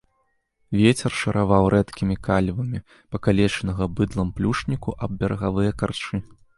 Вецер шараваў рэдкімі калівамі пакалечанага быдлам плюшніку аб берагавыя карчы.